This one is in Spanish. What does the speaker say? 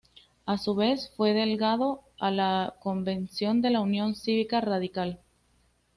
A su vez fue delegado a la convención de la Unión Cívica Radical.